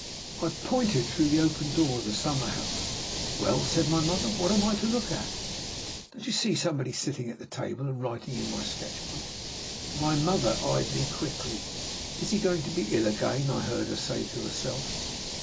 I pointed through the open door of the summer house. "Well?" said my mother. "What am I to look at?" "Don't you see somebody sitting at the table and writing in my sketch book?" My mother eyed me quickly. "Is he going to be ill again?" I heard her say to herself.